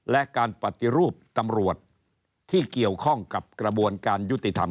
และการปฏิรูปตำรวจที่เกี่ยวข้องกับกระบวนการยุติธรรม